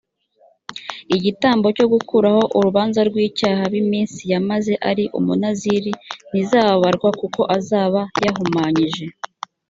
igitambo cyo gukuraho urubanza rw icyaha b iminsi yamaze ari umunaziri ntizabarwa kuko azaba yahumanyije